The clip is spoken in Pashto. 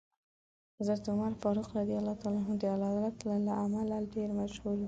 حضرت عمر فاروق رض د عدالت له امله ډېر مشهور دی.